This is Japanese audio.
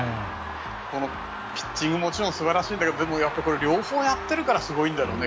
このピッチングももちろん素晴らしいんだけどでも、両方やっているからすごいんだろうね。